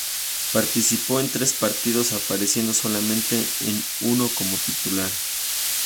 Participó en tres partidos apareciendo solamente en uno como titular.